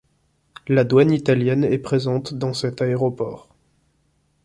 La douane italienne est présente dans cet aéroport.